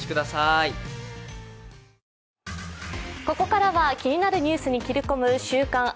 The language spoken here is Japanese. ここからは気になるニュースに切り込む「週刊！